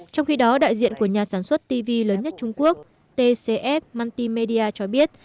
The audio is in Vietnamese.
trong khi đó đại diện của nhà sản xuất tv lớn nhất trung quốc tcf maltimedia cho biết